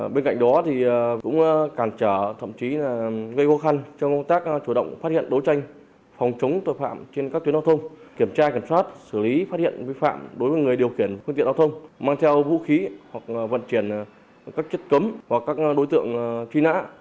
bên cạnh đó cũng cản trở thậm chí gây vô khăn cho công tác chủ động phát hiện đối tranh phòng chống tội phạm trên các tuyến đo thông kiểm tra kiểm soát xử lý phát hiện vi phạm đối với người điều khiển khuyên tiện đo thông mang theo vũ khí hoặc vận chuyển các chất cấm hoặc các đối tượng chi nã